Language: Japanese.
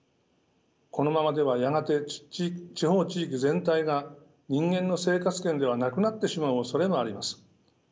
このままではやがて地方地域全体が人間の生活圏ではなくなってしまうおそれもあります。